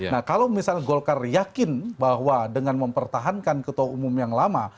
nah kalau misalnya golkar yakin bahwa dengan mempertahankan ketua umum yang lama